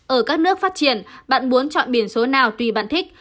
ở các nước phát triển bạn muốn chọn biển số nào tùy bạn thích